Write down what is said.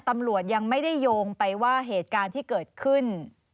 ตำรวจยังไม่ได้โยงไปว่าเหตุการณ์ที่เกิดขึ้น